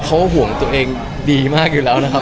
เค้าก็หวังตัวเองดีมากอยู่แล้วนะคะ